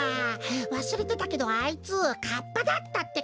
わすれてたけどあいつカッパだったってか！？